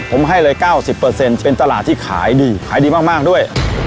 ผมให้เลย๙๐เป็นตลาดที่ขายดีขายดีมากด้วย